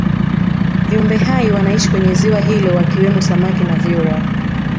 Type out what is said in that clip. viumbe hai wanaishi kwenye ziwa hilo wakimwemo samaki na vyura